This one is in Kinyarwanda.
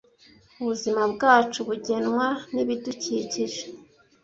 Ubuzima bwacu bugenwa nibidukikije.